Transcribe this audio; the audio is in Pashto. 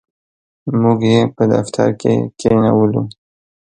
موږ یې په دفتر کې کښېنولو.